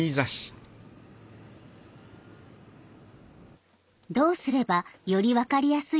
どうすればより分かりやすい映像になるのか。